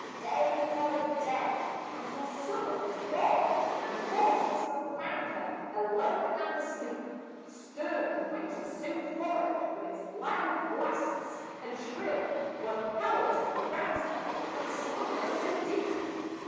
Day followed day until summer was gone, And autumn still found her alone and asleep; Stern winter soon followed, but its loud blasts and shrill, Were powerless to rouse her from slumber so deep.